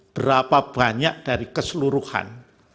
berapa banyak dari keseluruhan